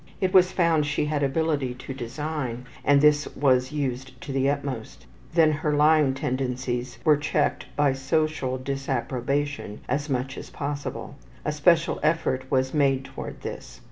It was found she had ability to design, and this was used to the utmost. Then her lying tendencies were checked by social disapprobation as much as possible. A special effort was made toward this.